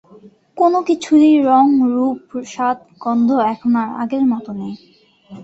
কোন কিছুরই রং-রূপ-স্বাদ-গন্ধ এখন আর আগের মত নেই।